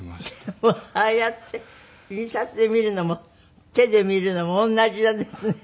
でもああやって印刷で見るのも手で見るのも同じなんですね。